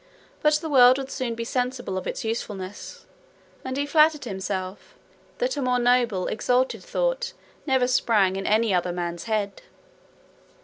But the world would soon be sensible of its usefulness; and he flattered himself, that a more noble, exalted thought never sprang in any other man's head.